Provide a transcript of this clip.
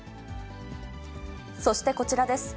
そして、こちらです。